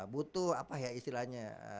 butuh apa ya istilahnya